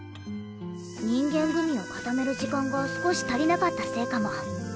人間グミを固める時間が少し足りなかったせいかも。